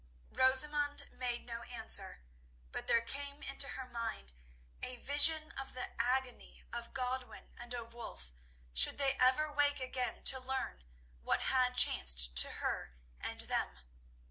Rosamund made no answer but there came into her mind a vision of the agony of Godwin and of Wulf should they ever wake again to learn what had chanced to her and them.